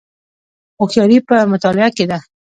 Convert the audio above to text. هوښیاري په مطالعې کې ده